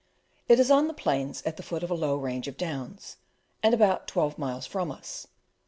It is on the plains at the foot of a low range of downs, and about twelve miles from us.